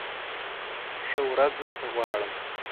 ښه ورځ درته غواړم !